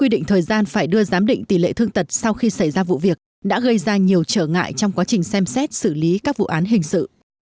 quy định thời gian phải đưa giám định tỷ lệ thương tật sau khi xảy ra vụ việc đã gây ra nhiều trở ngại trong quá trình xem xét xử lý các vụ án hình sự